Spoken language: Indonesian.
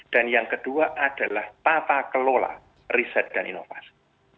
dan yang kedua adalah tata kelola riset dan inovasi